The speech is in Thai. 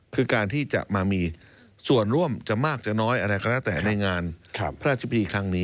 คือการที่จะมามีส่วนร่วมจะมากจะน้อยอะไรก็แล้วแต่ในงานพระราชพิธีครั้งนี้